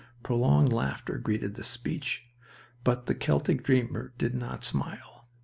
Prolonged laughter greeted this speech. But the Celtic dreamer did not smile.